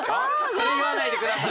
それ言わないでください。